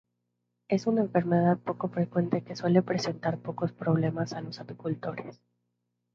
Es una enfermedad poco frecuente que suele presentar pocos problemas a los apicultores.